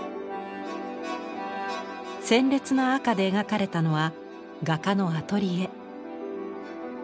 鮮烈な赤で描かれたのは画家のアトリエ。